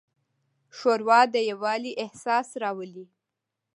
ښوروا د یووالي احساس راولي.